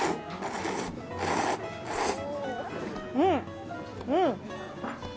うん、うん！